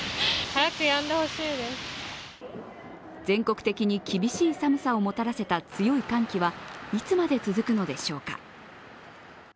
全国的に厳しい寒さをもたらせた強い寒気はいつまで続くのでしょうか。